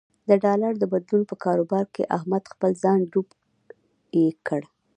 د ډالر د بدلون په کاروبار کې احمد خپل ځان ډوب یې کړ.